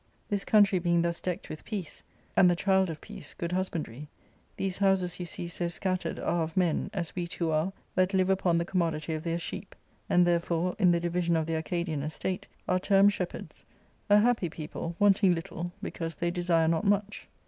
This country being thus decked with peace, and the child of peace, good husbandry, these houses you see so scattered are of men, as we two are, that live upon the com modity of their sheep, and therefore, in the division of the Arcadian estate, are termed shepherds — a happy people, \ wanting little^ because they desire not much."